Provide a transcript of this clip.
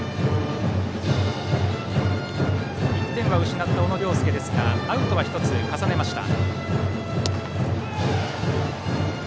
１点は失った小野涼介ですがアウトは１つ、重ねました。